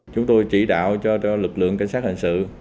chúng tôi chỉ đạo cho lực lượng cảnh sát hình sự